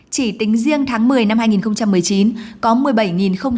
chỉ tính riêng tháng một mươi năm hai nghìn một mươi chín có một mươi bảy bảy mươi một tỷ đồng